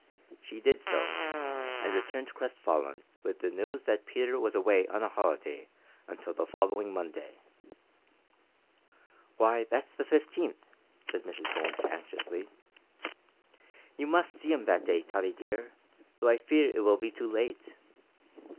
She did so, and returned crestfallen with the news that Peter was away on a holiday until the following Monday. "Why, that's the 15th," said Mrs Bones anxiously. "You must see him that day, Tottie dear, though I fear it will be too late.